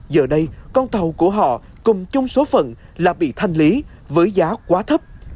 giờ đây con tàu của họ cùng chung số phận là bị thanh lý với giá quá thấp